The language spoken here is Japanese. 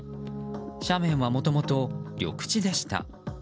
斜面はもともと緑地でした。